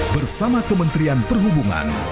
bersama kementerian perhubungan